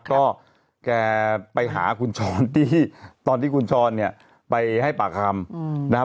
ก็แกไปหาคุณช้อนที่ตอนที่คุณช้อนเนี่ยไปให้ปากคำนะครับ